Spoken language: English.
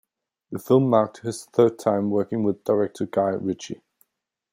The film marked his third time working with director Guy Ritchie.